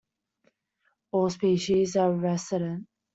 All species are resident.